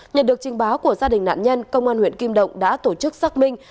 nhận được trình báo của gia đình nạn nhân công an huyện kim động đã tổ chức xác minh